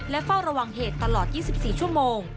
เฝ้าระวังเหตุตลอด๒๔ชั่วโมง